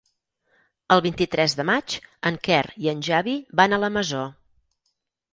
El vint-i-tres de maig en Quer i en Xavi van a la Masó.